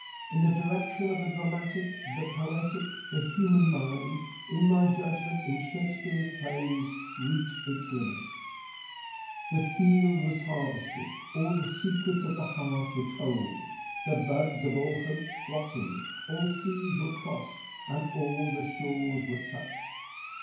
In the direction of the dramatic, the poetic, the human mind, in my judgment, in Shakespeare's plays reached its limit. The field was harvested, all the secrets of the heart were told. The buds of all hopes blossomed, all seas were crossed and all the shores were touched.